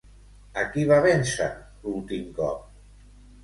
A qui va vèncer l'últim cop?